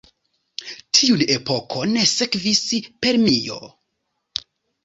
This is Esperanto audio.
Tiun epokon sekvis Permio.